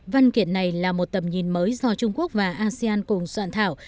văn kiện này là một tầm nhìn mới do trung quốc và asean cùng soạn thảo